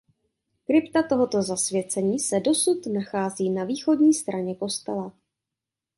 Krypta tohoto zasvěcení se dosud nachází na východní straně kostela.